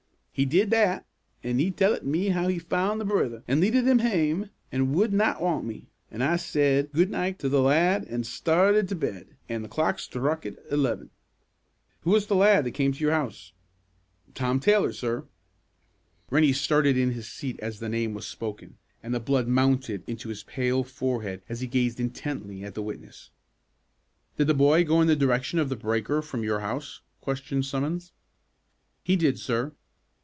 "He did that, an' he tellit me as how he'd foond the brither, an' leadit him hame, an' would na want me; an' I said 'good nicht' till the lad, an' started to bed, an' the clock struckit eleven." "Who was the lad that came to your house?" "Tom Taylor, sir." Rennie started in his seat as the name was spoken, and the blood mounted into his pale forehead as he gazed intently at the witness. "Did the boy go in the direction of the breaker from your house?" questioned Summons. "He did, sir."